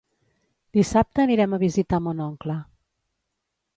Dissabte anirem a visitar mon oncle.